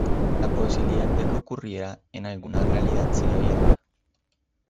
La posibilidad de que ocurriera en realidad sigue abierta.